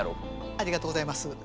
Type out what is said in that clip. ありがとうございます。